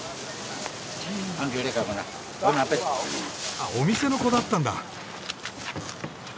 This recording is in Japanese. あお店の子だったんだ。